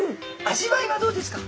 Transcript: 味わいはどうですか？